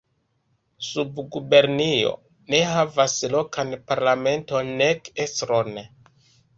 Subgubernio ne havas lokan parlamenton nek estron.